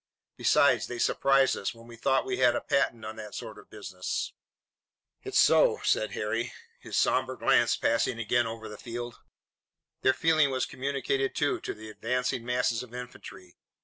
Besides, they surprised us, when we thought we had a patent on that sort of business." "It's so," said Harry, his somber glance passing again over the field. Their feeling was communicated, too, to the advancing masses of infantry.